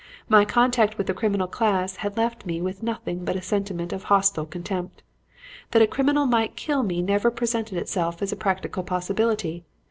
My contact with the criminal class had left me with nothing but a sentiment of hostile contempt. That a criminal might kill me never presented itself as a practical possibility.